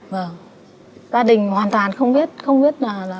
vâng gia đình hoàn toàn không biết